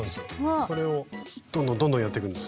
それをどんどんどんどんやっていくんです。